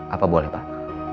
apa boleh pak